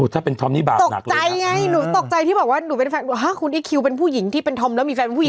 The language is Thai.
โทรพำออกแล้วมีแฟนผู้หญิงอีกละ